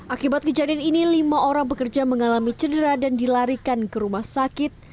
akibat kejadian ini lima orang bekerja mengalami cedera dan dilarikan ke rumah sakit